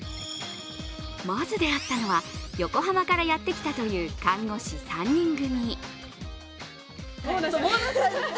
まず出会ったのは、横浜からやってきたという看護師３人組。